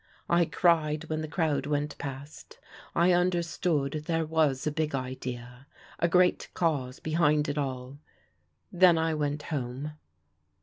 I cried when the crowd went past. I understood there was a big idea, a great cause behind it all. Then I went home.